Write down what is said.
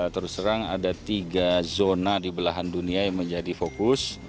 terus terang ada tiga zona di belahan dunia yang menjadi fokus